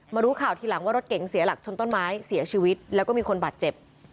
รู้ข่าวทีหลังว่ารถเก๋งเสียหลักชนต้นไม้เสียชีวิตแล้วก็มีคนบาดเจ็บ